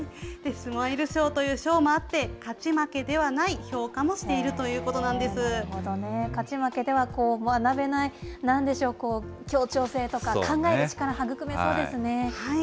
スマイル賞という賞もあって、勝ち負けではない評価もしているなるほどね、勝ち負けでは学べない、なんでしょう、協調性とか、考える力、育めそうですね。